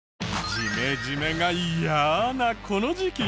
ジメジメが嫌なこの時期。